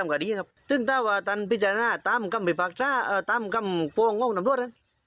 กว่าดีครับซึ่งถ้าว่าตันพิจารณาตามกำเป็นภักดาเอ่อตามกำโปรงองค์ตำรวจน่ะ